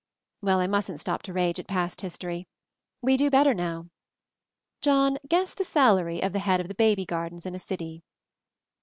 "Well, I mustn't stop to rage at past his tory. We do better now. John, guess the salary of the head of the Baby Gardens in a city."